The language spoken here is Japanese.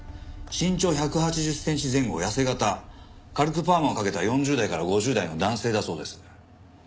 身長１８０センチ前後痩せ形軽くパーマをかけた４０代から５０代の男性だそうです。